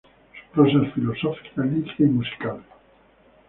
Su prosa es filosófica, lírica y musical.